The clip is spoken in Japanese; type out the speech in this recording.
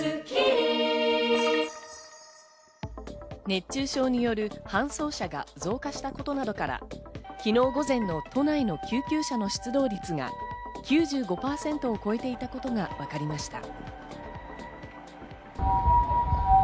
熱中症による搬送者が増加したことなどから、昨日、午前の都内の救急車の出動率が９５％を超えていたことがわかりました。